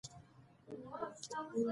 اجمل خټک تر اتم ټولګی په کلي کې زدکړې وکړې.